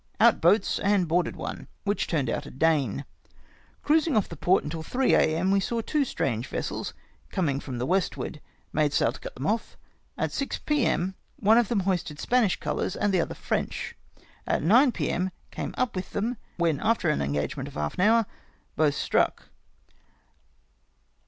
Out boats and boarded one, which turned out a Dane. Cruising off the port till 3 A. M., we saw two strange vessels coming from the westward. Made sail to cut them off. At 6 p.m. one of them hoisted Spanish colours and the otlier French. At 9 p.m. came up with them, when after an engagement of half an hour both struck.